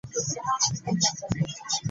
Kyokka faayo okuwuliza munno.